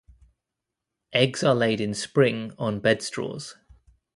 Eggs are laid in spring on bedstraws.